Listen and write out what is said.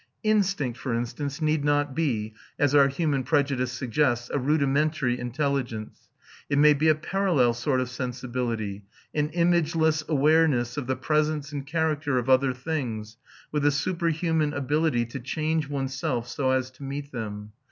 Instinct, for instance, need not be, as our human prejudice suggests, a rudimentary intelligence; it may be a parallel sort of sensibility, an imageless awareness of the presence and character of other things, with a superhuman ability to change oneself so as to meet them.